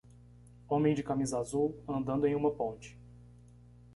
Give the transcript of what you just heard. Homem de camisa azul, andando em uma ponte.